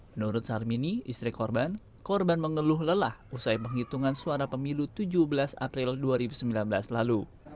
menurut sarmini istri korban korban mengeluh lelah usai penghitungan suara pemilu tujuh belas april dua ribu sembilan belas lalu